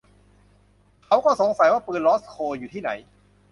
เขาก็สังสัยว่าปืนรอสโคอยู่ที่ไหน